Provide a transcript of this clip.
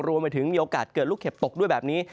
รวมไปถึงมีโอกาสเกิดลูกเข็บตกด้วยแบบนี้